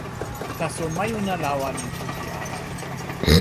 taso, majuna lawa li toki ala.